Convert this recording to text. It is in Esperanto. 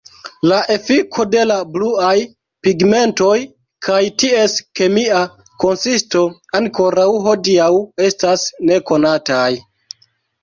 La efiko de la bluaj pigmentoj kaj ties kemia konsisto ankoraŭ hodiaŭ estas nekonataj.